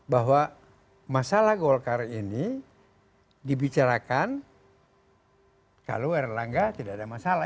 bahwa masalah golkar ini dibicarakan kalau erlangga tidak ada masalah